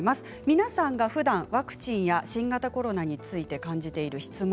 皆さんがふだんワクチンや新型コロナについて感じている質問